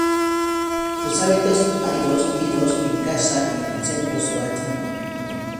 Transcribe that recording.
Los hábitos adquiridos en casa y en el centro se van afianzando.